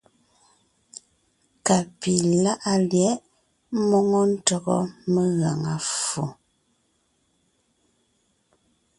Ka pi láʼa lyɛ̌ʼ ḿmoŋo ntÿɔgɔ megaŋa ffo.